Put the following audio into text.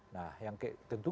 nah yang tentu